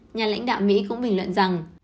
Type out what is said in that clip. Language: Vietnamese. nhà lãnh đạo mỹ cũng bình luận rằng